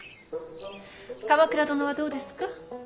鎌倉殿はどうですか。